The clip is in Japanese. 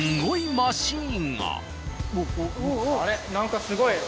何かすごい。